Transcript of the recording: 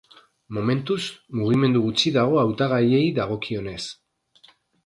Momentuz, mugimendu gutxi dago hautagaiei dagokienez.